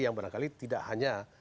yang berangkali tidak hanya